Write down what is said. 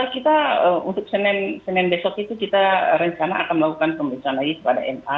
kita untuk senin besok itu kita rencana akan melakukan pemeriksaan lagi kepada ma